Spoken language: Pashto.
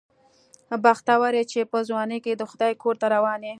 بختور یې چې په ځوانۍ کې د خدای کور ته روان یې.